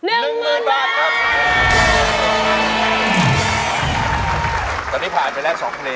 เพลงที่เจ็ดเพลงที่แปดแล้วมันจะบีบหัวใจมากกว่านี้